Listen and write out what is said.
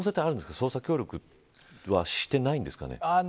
捜査協力はしてないんですかね。